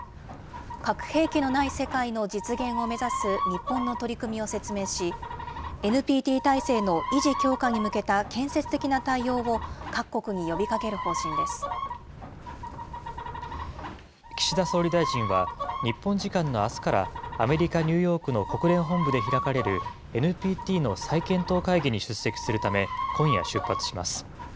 核兵器のない世界の実現を目指す日本の取り組みを説明し、ＮＰＴ体制の維持・強化に向けた建設的な対応を各国に呼びかける岸田総理大臣は、日本時間のあすから、アメリカ・ニューヨークの国連本部で開かれるＮＰＴの再検討会議に出席するため、今夜出発します。